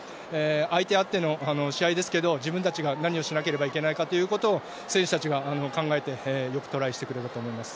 相手あっての試合ですけど自分たちが何をしなければいけないかということを選手たちが考えてよくトライしてくれたなと思います。